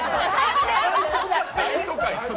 大都会すな。